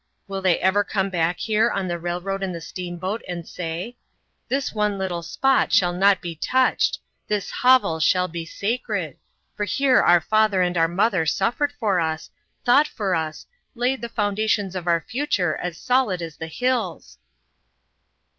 Will they ever come back here, on the railroad and the steamboat, and say, 'This one little spot shall not be touched this hovel shall be sacred for here our father and our mother suffered for us, thought for us, laid the foundations of our future as solid as the hills!'"